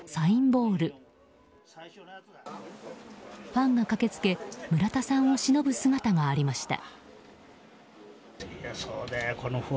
ファンが駆け付け村田さんをしのぶ姿もありました。